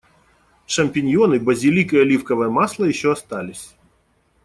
Шампиньоны, базилик, и оливковое масло ещё остались.